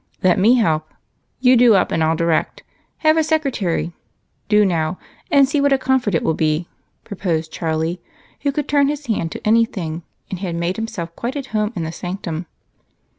"Let me help. You do up, and I'll direct. Have a secretary, do now, and see what a comfort it will be," proposed Charlie, who could turn his hand to anything and had made himself quite at home in the sanctum.